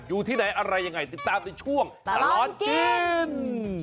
อยู่ที่ไหนอะไรยังไงติดตามในช่วงตลอดกิน